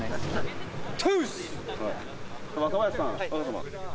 若林さん。